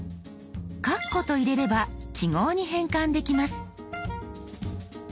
「かっこ」と入れれば記号に変換できます。